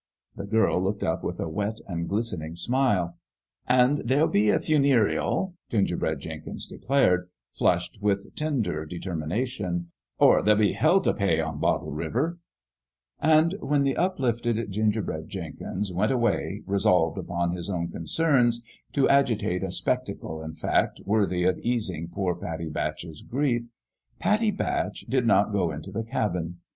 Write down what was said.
The girl looked up with a wet and glistening smile. "An' there'll be a funeerial," Gingerbread Jenkins declared, flushed with tender deter An ENGAGEMENT: WITH GOD 25 mination, " or there'll be hell t' pay on Bottle River 1" And when the uplifted Gingerbread Jenkins went away resolved upon his own concerns to agitate a spectacle, in fact, worthy of easing poor Pattie Batch's grief Pattie Batch did not go into the cabin.